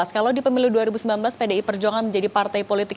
kalau di pemilu dua ribu sembilan belas pdi perjuangan menjadi partai politik